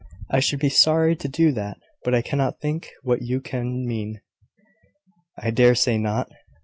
"I should be sorry to do that: but I cannot think what you can mean." "I dare say not.